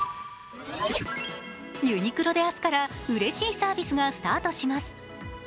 ユニクロで明日からうれしいサービスがスタートします。